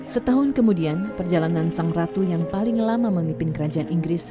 setahun kemudian perjalanan sang ratu yang paling lama memimpin kerajaan inggris